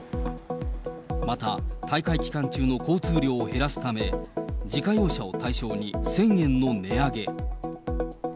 また、大会期間中の交通量を減らすため、自家用車を対象に、１０００円の値上げ。